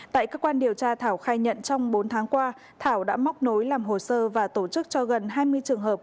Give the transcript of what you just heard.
tại cơ quan điều tra thảo khai nhận trong bốn tháng qua thảo đã móc nối làm hồ sơ và tổ chức cho gần hai mươi trường hợp